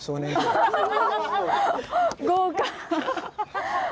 豪華！